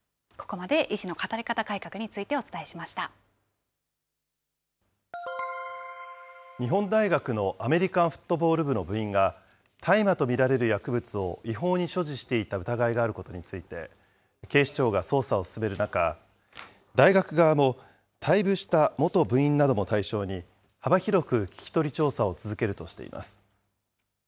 ここまで医師の働き方改革に日本大学のアメリカンフットボール部の部員が、大麻と見られる薬物を違法に所持していた疑いがあることについて、警視庁が捜査を進める中、大学側も退部した元部員なども対象に、幅広く聞き取り調査を続けるとしています。